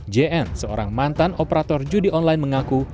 jn seorang mantan operator judi online mengaku